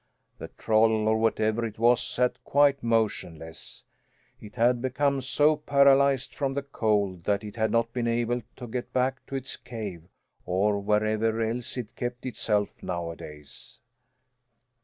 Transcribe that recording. The troll, or whatever it was, sat quite motionless. It had become so paralyzed from the cold that it had not been able to get back to its cave, or wherever else it kept itself nowadays.